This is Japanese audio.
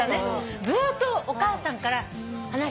ずーっとお母さんから話は。